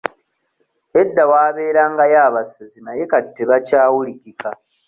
Edda waabeerangayo abasezi naye kati tebakyawulikika.